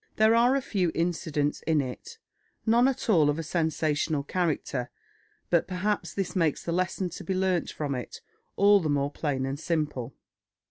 There are few incidents in it, none at all of a sensational character; but perhaps this makes the lesson to be learnt from it all the more plain and simple.